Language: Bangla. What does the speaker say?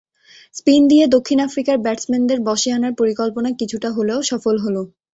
স্পিন দিয়ে দক্ষিণ আফ্রিকার ব্যাটসম্যানদের বশে আনার পরিকল্পনা কিছুটা হলেও সফল হলো।